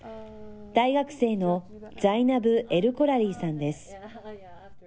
大学生のザイナブ・エルコラリーさんです。